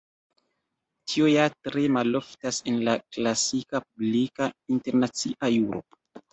Tio ja tre maloftas en la klasika publika internacia juro.